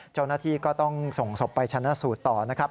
เจ้าหน้าที่ก็ต้องส่งศพไปชนะสูตรต่อนะครับ